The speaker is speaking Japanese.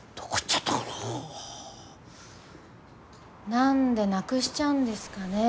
何でなくしちゃうんですかね